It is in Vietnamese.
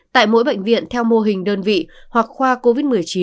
tại mỗi bệnh viện theo mô hình đơn vị hoặc khoa covid một mươi chín